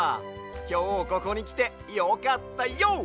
きょうここにきてよかったＹＯ！